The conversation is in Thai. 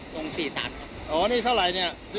คุณพิมพ์ขำให้ไปที่ไหนครับ